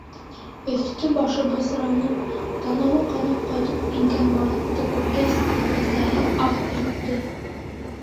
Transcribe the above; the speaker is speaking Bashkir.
Өҫтө-башы бысранып, танауы ҡанап ҡайтып ингән Маратты күргәс, әсәһе аһ итте: